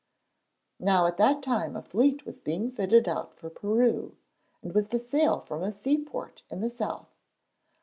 Now at that time a fleet was being fitted out for Peru, and was to sail from a seaport in the South.